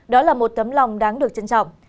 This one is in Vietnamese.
đó là một tấm lòng đáng được trân trọng